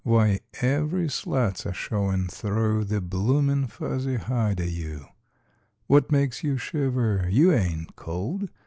Wye, every slat's a showin' through The bloomin' fuzzy hide o' you. What makes you shiver? You ain't cold!